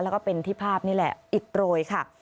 แล้วก็เป็นที่ภาพนี่แหละอิดโรยค่ะ